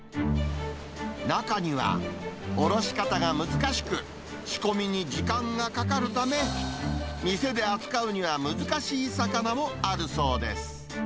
中には、おろし方が難しく、仕込みに時間がかかるため、店で扱うには難しい魚もあるそうです。